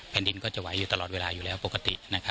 ดินก็จะไหวอยู่ตลอดเวลาอยู่แล้วปกติ